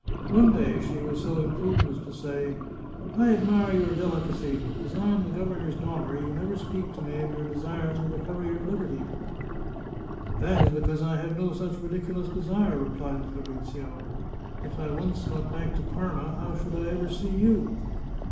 One day she was so imprudent as to say :" I admire your delicacy. As I am the governor's daugh ter, you never speak to me of your desire to recover your liberty." " That is because I have no such ridiculous desire," re plied Fabrizio. " If I once got back to Parma how should I ever see you?